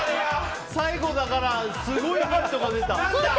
最後だから、すごいヒントが出た。